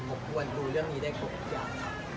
ควรรู้เรื่องนี้ได้ครบทุกอย่าง